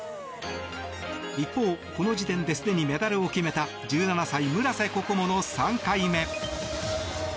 一方、この時点ですでにメダルを決めた１７歳、村瀬心椛の３回目。